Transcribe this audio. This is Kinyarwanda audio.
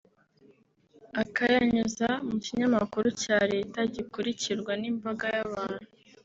akayanyuza mu kinyamakuru cya leta gikurikirwa n’imbaga y’abantu